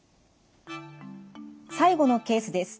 最後のケースです。